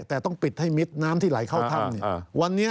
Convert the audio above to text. แต่ต้องปิดให้มิดน้ำที่ไหลเข้าข้างเนี่ย